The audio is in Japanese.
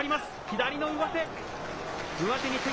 左の上手。